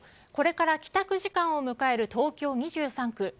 これから帰宅時間を迎える東京２３区。